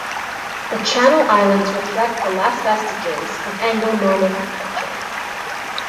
The Channel Islands reflect the last vestiges of Anglo-Norman culture.